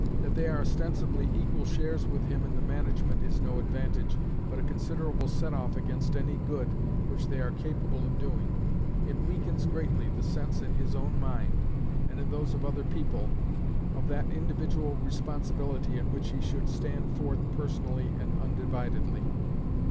That they are ostensibly equal shares with him in the management is no advantage, but a considerable set off against any good which they are capable of doing: it weakens greatly the sense in his own mind, and in those of other people, of that individual responsibility in which he should stand forth personally and undividedly.